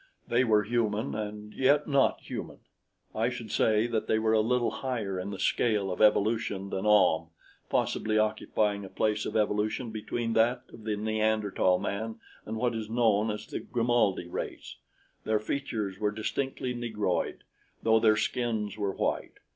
They were human and yet not human. I should say that they were a little higher in the scale of evolution than Ahm, possibly occupying a place of evolution between that of the Neanderthal man and what is known as the Grimaldi race. Their features were distinctly negroid, though their skins were white.